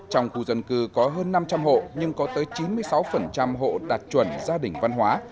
trong khu dân cư có hơn năm trăm linh hộ nhưng có tới chín mươi sáu hộ đạt chuẩn gia đình văn hóa